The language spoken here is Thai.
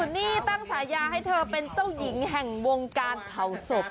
นี่ตั้งฉายาให้เธอเป็นเจ้าหญิงแห่งวงการเผาศพ